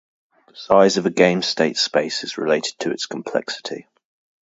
The size of a game's state space is related to its complexity.